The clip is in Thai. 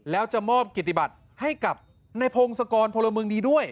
แล้วจะมอบกิติบัติให้กับในพงศกรพลเมืองดีด้วย